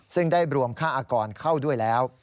ซึ่งได้รวมค่าอากรเข้าด้วยแล้ว